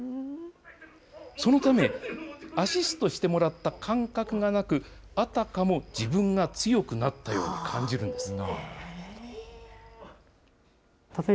そのため、アシストしてもらった感覚がなく、あたかも自分が強くなったように感じるんです。